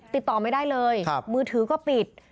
ติดต่อไม่ได้เลยมือถือก็ปิด